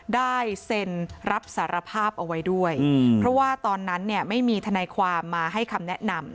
ได้เซ็นรับสารภาพเอาไว้ด้วยเพราะว่าตอนนั้นเนี่ยไม่มีทนายความมาให้คำแนะนำ